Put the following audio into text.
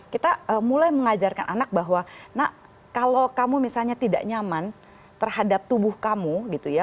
kita mulai mengajarkan anak bahwa nak kalau kamu misalnya tidak nyaman terhadap tubuh kamu gitu ya